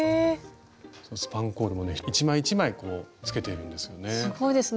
スパンコールもね一枚一枚つけているんですよね。